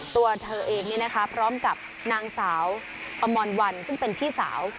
ตัวเธอเองพร้อมกับนางสาวอมรวันซึ่งเป็นพี่สาว